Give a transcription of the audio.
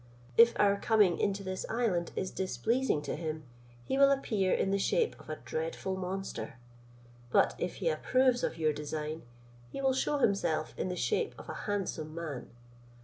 If our coming into this island is displeasing to him, he will appear in the shape of a dreadful monster; but if he approves of your design, he will shew himself in the shape of a handsome man.